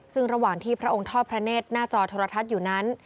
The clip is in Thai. ซึ่งระหว่างที่พระองค์ทอดพระเนธหน้าจอโทรทัศน์อยู่นั้น